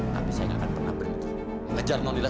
tapi saya gak akan pernah berhenti ngejar nona